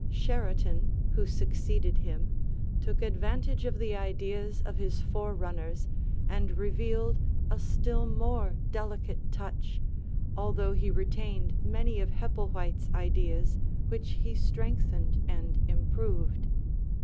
Sheraton, who succeeded him, took advantage of the ideas of his forerunners and revealed a still more delicate touch, although he retained many of Hepplewhite's ideas which he strengthened and improved.